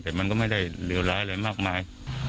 แต่มันก็ไม่ได้เลวร้ายอะไรมากมาย